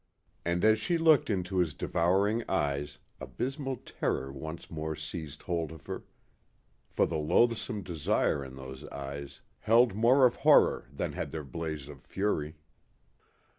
And as she looked into his devouring eyes, abysmal terror once more seized hold of her, for the loathsome desire in those eyes held more of horror than had their blaze of fury.